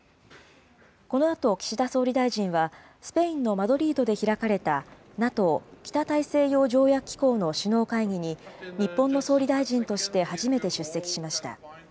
このあと岸田総理大臣は、スペインのマドリードで開かれた、ＮＡＴＯ・北大西洋条約機構の首脳会議に、日本の総理大臣として初めて出席しました。